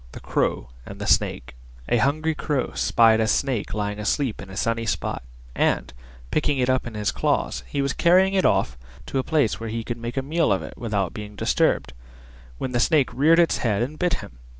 THE CROW AND THE SNAKE A hungry Crow spied a Snake lying asleep in a sunny spot, and, picking it up in his claws, he was carrying it off to a place where he could make a meal of it without being disturbed, when the Snake reared its head and bit him.